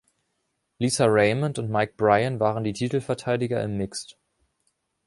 Lisa Raymond und Mike Bryan waren die Titelverteidiger im Mixed.